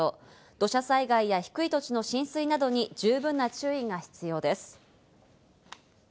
土砂災害や低い土地の浸水などに十分な注意が必要です。